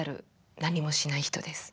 なんもしない人”」です。